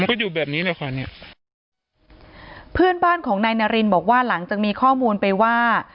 ก็อยู่แบบนี้แหละค่ะเนี้ยเพื่อนบ้านของนายนารินบอกว่าหลังจากมีข้อมูลไปว่า